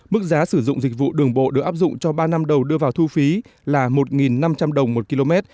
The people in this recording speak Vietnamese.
mức giá sử dụng dịch vụ đường bộ được áp dụng cho ba năm đầu đưa vào thu phí là một năm trăm linh đồng một km